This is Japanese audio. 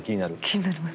気になります。